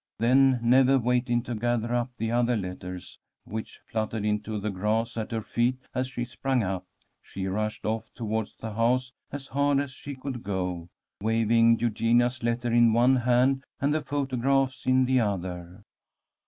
Then, never waiting to gather up the other letters which fluttered into the grass at her feet, as she sprang up, she rushed off toward the house as hard as she could go, waving Eugenia's letter in one hand and the photographs in the other.